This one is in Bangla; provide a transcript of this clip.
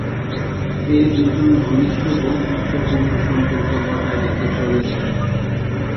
এ দুজন ঘনিষ্ঠ বন্ধুত্বপূর্ণ সম্পর্ক বজায় রেখে চলেছেন।